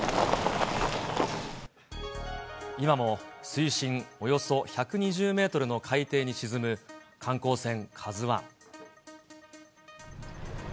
今も水深およそ１２０メートルの海底に沈む観光船ＫＡＺＵＩ。